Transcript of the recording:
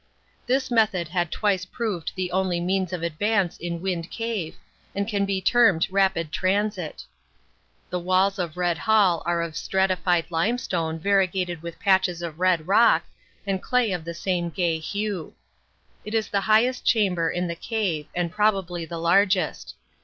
This method had twice proved the only means of advance in Wind Cave and can be termed rapid transit. The walls of Red Hall are of stratified limestone variegated with patches of red rock, and clay of the same gay hue. It is the highest chamber in the cave and probably the largest.